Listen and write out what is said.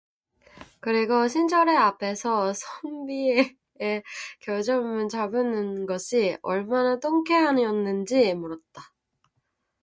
그리고 신철의 앞에서 선비의 결점을 잡은 것이 얼마나 통쾌하였는지 몰랐다.